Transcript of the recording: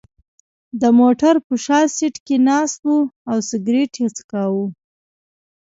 د موټر په شا سېټ کې ناست و او سګرېټ یې څکاو.